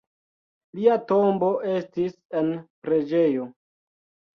Lia tombo estis en preĝejo.